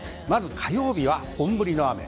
火曜日は本降りの雨。